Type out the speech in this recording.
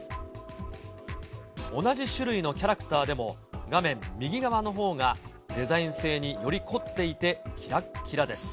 同じ種類のキャラクターでも、画面右側のほうがデザイン性により凝っていて、きらっきらです。